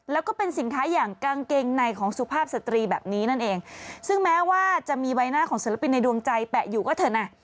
แล้วก็เป็นสินค้าอย่างกางเกงในของสุภาพสตรีแบบนี้นั่นเองซึ่งแม้ว่าจะมีใบหน้าของศิลปินในดวงใจแปะอยู่ก็เถอะนะ